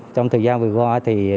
trong thời gian vừa qua thì đã ghi trú